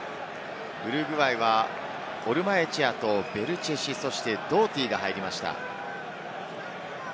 ウルグアイはオルマエチェアとベルチェシ、ドーティが入ります。